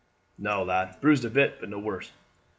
"No, lad; bruised a bit, but no worse."